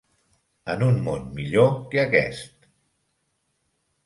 En un món millor que aquest.